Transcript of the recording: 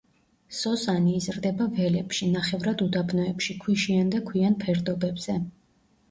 სოსანი იზრდება ველებში, ნახევრად უდაბნოებში, ქვიშიან და ქვიან ფერდობებზე.